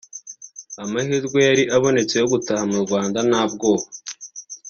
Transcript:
Amahirwe yari abonetse yo gutaha mu Rwanda nta bwoba